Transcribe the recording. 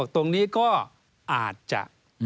ตรงนี้ก็อาจจะ